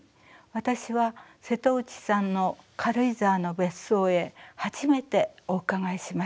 私は瀬戸内さんの軽井沢の別荘へ初めてお伺いしました。